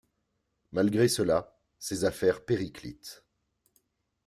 Malgré cela, ses affaires périclitent.